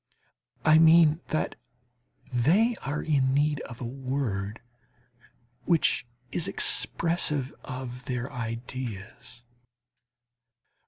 I mean that they are in need of a word which is expressive of their ideas.